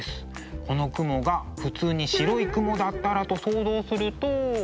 この雲が普通に白い雲だったらと想像すると。